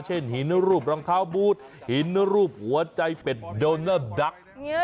หินรูปรองเท้าบูธหินรูปหัวใจเป็ดโดนัลดัก